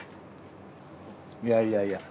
いやいやいや。